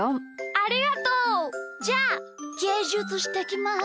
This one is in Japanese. ありがとう！じゃあゲージュツしてきます。